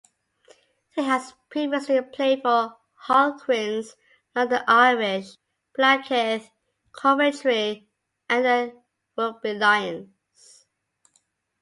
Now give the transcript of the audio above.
He has previously played for Harlequins, London Irish, Blackheath, Coventry and the Rugby Lions.